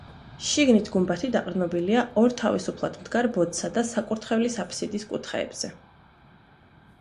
შიგნით გუმბათი დაყრდნობილია ორ თავისუფლად მდგარ ბოძსა და საკურთხევლის აფსიდის კუთხეებზე.